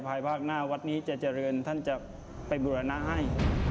ภาคหน้าวัดนี้จะเจริญท่านจะไปบุรณะให้